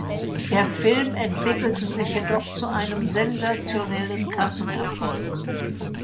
Der Film entwickelte sich jedoch zu einem sensationellen Kassenerfolg.